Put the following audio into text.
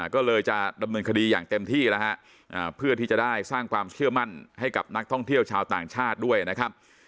ก็เลยจะดำเนินคดีอย่างเต็มที่แล้วฮะเพื่อที่จะได้สร้างความเชื่อมั่นให้กับนักท่องเที่ยวชาวต่างชาติด้วยนะครับ